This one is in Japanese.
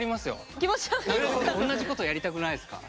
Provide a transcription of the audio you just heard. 同じことやりたくないですか？